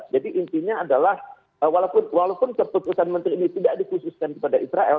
intinya adalah walaupun keputusan menteri ini tidak dikhususkan kepada israel